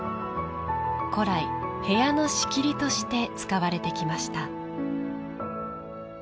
古来、部屋の仕切りとして使われてきました。